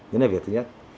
đó là việc thứ nhất